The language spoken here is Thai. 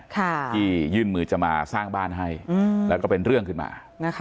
ที่ยื่นมือจะมาสร้างบ้านให้แล้วก็เป็นเรื่องขึ้นมา